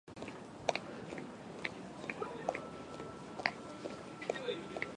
沖縄はスギ花粉がなくて快適